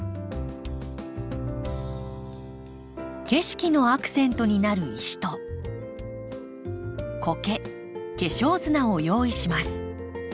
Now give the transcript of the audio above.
景色のアクセントになる石とコケ化粧砂を用意します。